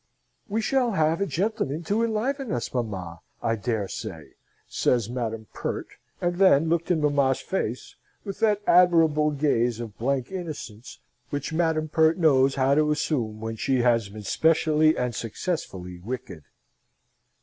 "We shall have a gentleman to enliven us, mamma, I dare say!" says Madam Pert, and then looked in mamma's face with that admirable gaze of blank innocence which Madam Pert knows how to assume when she has been specially and successfully wicked.